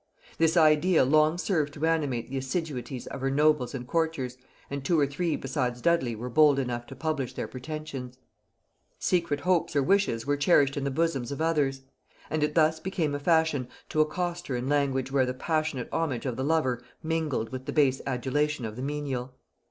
This idea long served to animate the assiduities of her nobles and courtiers, and two or three besides Dudley were bold enough to publish their pretensions. Secret hopes or wishes were cherished in the bosoms of others; and it thus became a fashion to accost her in language where the passionate homage of the lover mingled with the base adulation of the menial.